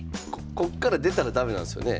こっから出たらダメなんですよね？